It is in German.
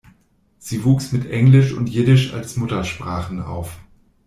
Sie wuchs mit Englisch und Jiddisch als Muttersprachen auf.